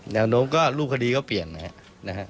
แนวโน้มก็รูปคดีก็เปลี่ยนนะครับ